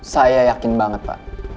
saya yakin banget pak